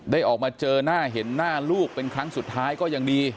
ได้ออกมาเจอหน้าเห็นหน้าลูกเป็นครั้งสุดท้ายก็ยังดี